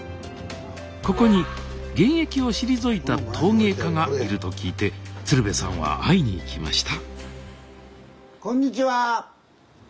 ここに現役を退いた陶芸家がいると聞いて鶴瓶さんは会いに行きました